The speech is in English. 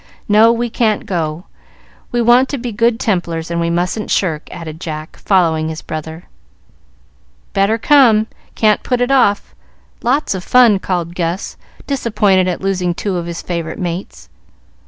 No, we can't go. We want to be Good Templars, and we mustn't shirk," added Jack, following his brother. "Better come. Can't put it off. Lots of fun," called Gus, disappointed at losing two of his favorite mates.